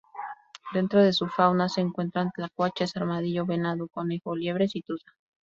Dentro de su fauna se encuentran tlacuaches, armadillo, venado, conejo, liebres y tuza.